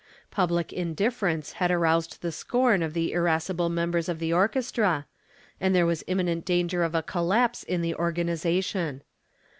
Public indifference had aroused the scorn of the irascible members of the orchestra, and there was imminent danger of a collapse in the organization.